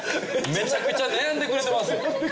めちゃくちゃ悩んでくれてますよ